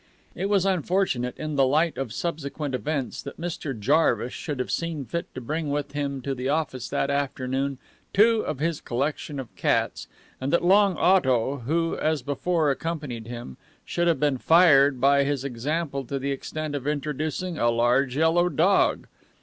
It was unfortunate, in the light of subsequent events, that Mr. Jarvis should have seen fit to bring with him to the office that afternoon two of his collection of cats, and that Long Otto, who, as before, accompanied him, should have been fired by his example to the extent of introducing a large yellow dog.